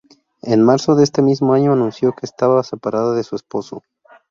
En marzo de este mismo año anunció que estaba separada de su esposo.